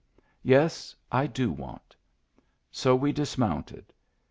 "Yes; I do want." So we dismounted.